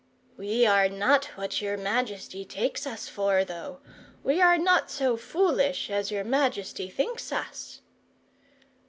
"We are not what your majesty takes us for, though. We are not so foolish as your majesty thinks us."